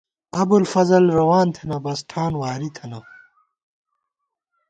ابُوالفضل روان تھنہ ، بَسن ٹھان واری تھنہ